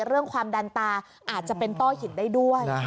เรื่องความดันตาอาจจะเป็นต้อหินได้ด้วย